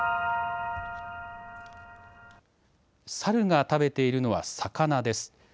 サルが食べているのは魚です。